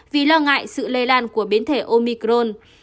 vì lo ngại sự lây lan của biến thể omicron